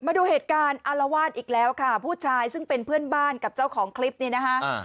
มาดูเหตุการณ์อารวาสอีกแล้วค่ะผู้ชายซึ่งเป็นเพื่อนบ้านกับเจ้าของคลิปนี้นะคะ